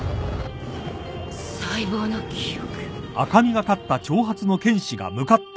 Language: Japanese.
細胞の記憶